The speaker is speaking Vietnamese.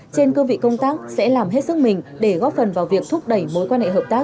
trên cơ vị công tác sẽ làm hết sức mình để góp phần vào việc thúc đẩy mối quan hệ hợp tác